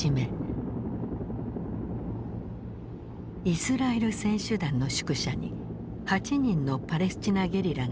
イスラエル選手団の宿舎に８人のパレスチナ・ゲリラが侵入。